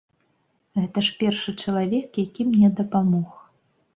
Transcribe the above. Гэта ж першы чалавек, які мне дапамог.